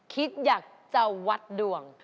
คิดอยากจะวัดดวง